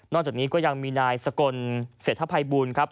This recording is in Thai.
จากนี้ก็ยังมีนายสกลเศรษฐภัยบูลครับ